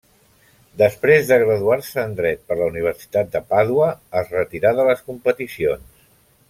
Després graduar-se en dret per la Universitat de Pàdua es retirà de les competicions.